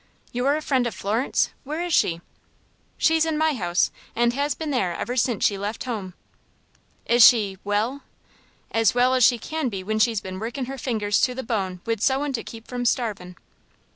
"You're a friend of Florence? Where is she?" "She's in my house, and has been there ever since she left her home." "Is she well?" "As well as she can be whin she's been workin' her fingers to the bone wid sewin' to keep from starvin'."